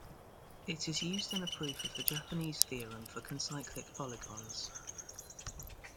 It is used in a proof of the Japanese theorem for concyclic polygons.